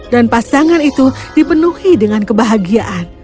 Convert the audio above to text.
dan pasangan itu dipenuhi dengan kebahagiaan